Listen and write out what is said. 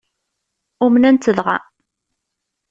Umnen-tt dɣa?